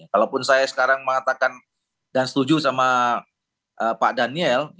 kalaupun saya sekarang mengatakan dan setuju sama pak daniel